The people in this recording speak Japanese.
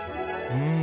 うん。